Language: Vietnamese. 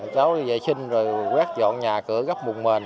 cháu đi vệ sinh rồi quét dọn nhà cửa gấp bùn mền